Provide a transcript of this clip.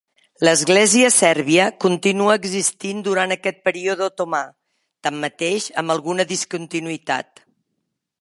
L'Església Sèrbia continua existint durant aquest període otomà, tanmateix amb alguna discontinuïtat.